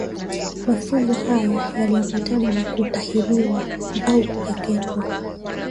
Mafunzo hayo yaliambatana na kutahiriwa au kukeketwa